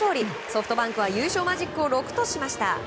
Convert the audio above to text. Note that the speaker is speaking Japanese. ソフトバンクは優勝マジックを６としました。